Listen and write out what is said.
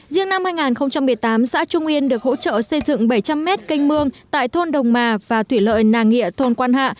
riêng năm hai nghìn một mươi tám xã trung yên được hỗ trợ xây dựng bảy trăm linh mét canh mương tại thôn đồng mà và thủy lợi nàng nghịa thôn quan hạ